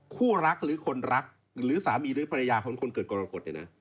คู่รักหรือคนรักหรือสามีหรือภรรยาของคนเกิดกรกฎเนี่ยนะ